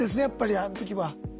やっぱりあの時は。